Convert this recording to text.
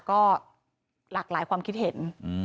ก็หลากหลายความคิดเห็น